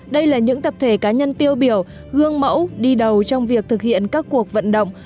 đây là những tập thể cá nhân tiêu biểu gương mẫu đi đầu trong việc thực hiện các cuộc vận động